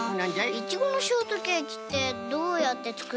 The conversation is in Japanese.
イチゴのショートケーキってどうやってつくるの？